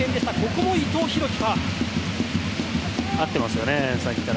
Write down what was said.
ここも伊藤洋輝か。